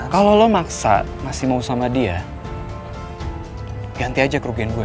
kalau lo maksa masih mau sama dia ganti aja kerugian gue